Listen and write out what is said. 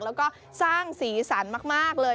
แล้วก็สร้างสีสันมากเลย